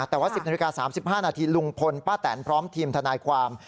แต่ว่า๑๐นาฬิกา๓๕นาทีลุงพลป้าแตนพร้อมทีมทนายความ